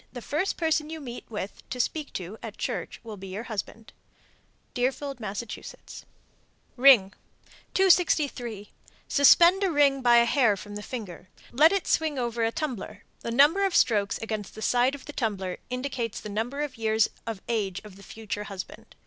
The first person you meet with, to speak to, at church will be your husband. Deerfield, Mass. RING. 263. Suspend a ring by a hair from the finger. Let it swing over a tumbler. The number of strokes against the side of the tumbler indicates the number of years of age of the future husband.